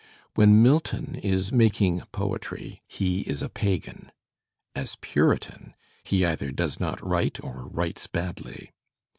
When Milton is making poetry he is a pagan: as Puritan he either does not write or writes badly.